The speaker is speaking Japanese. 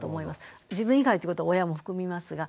自分以外ってことは親も含みますが。